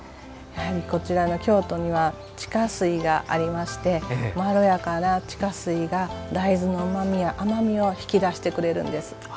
やはりこちらの京都には地下水がありましてまろやかな地下水が大豆のうまみや甘みを引き出してくれるんです。